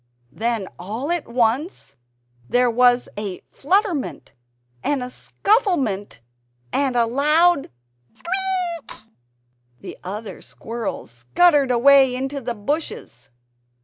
... Then all at once there was a flutterment and a scufflement and a loud "Squeak!" The other squirrels scuttered away into the bushes.